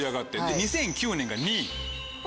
２００９年が２位。